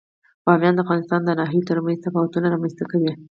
بامیان د افغانستان د ناحیو ترمنځ تفاوتونه رامنځ ته کوي.